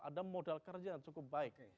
ada modal kerja yang cukup baik